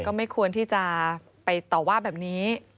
ก็ไม่ควรที่จะไปต่อว่าแบบนี้